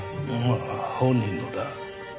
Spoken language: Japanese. ああ本人のだ。